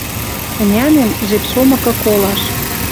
Ӹнянем, жеп шомыкы колаш.